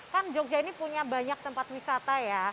kan jogja ini punya banyak tempat wisata ya